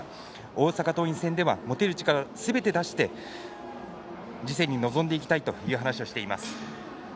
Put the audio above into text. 大阪桐蔭戦では持てる力すべてを出して次戦に臨みたいという話をしています。